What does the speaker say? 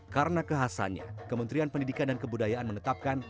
karena kehasannya kementerian pendidikan dan kebudayaan menetapkan